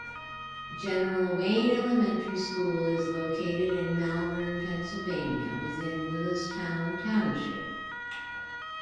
General Wayne Elementary School is located in Malvern, Pennsylvania, within Willistown Township.